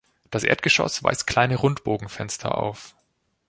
Das Erdgeschoss weist kleine Rundbogenfenster auf.